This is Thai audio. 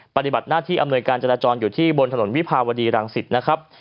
ปฏิบัติหน้าที่อำนวยการจราจรอยู่ที่บนถนนวิภาวดีรังสิตนะครับ